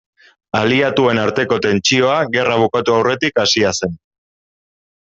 Aliatuen arteko tentsioa gerra bukatu aurretik hasia zen.